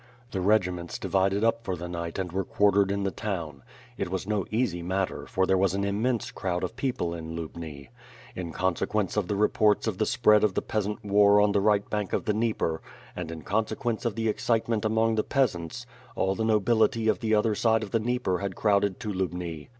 The regiments divided up for the night and were quartered in the town. It was no easy matter, for there was an immense crowd of people in Lubni. In con sequence of the reports of the spread of the peasant war on the right bank of the Dnieper, and in consequence of the excite ment among the peasants, all the nobility of the other side of the Dnieper had crowded to Lubni.